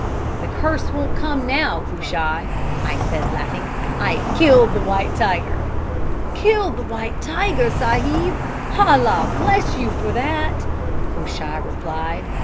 "'The curse won't come now, Cushai,' I said, laughing. 'I've killed the white tiger.' "'Killed the white tiger, sahib! Allah bless you for that!' Cushai replied.